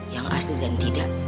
yang asli dan tidak